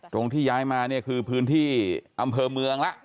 ที่ย้ายมาเนี่ยคือพื้นที่อำเภอเมืองแล้ว